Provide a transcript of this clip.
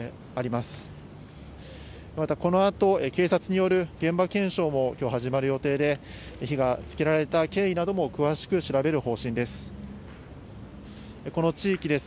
また、このあと警察による現場検証もきょう始まる予定で、火がつけられた経緯なども詳しく調べる方針です。